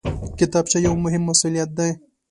کتابچه یو مهم مسؤلیت دی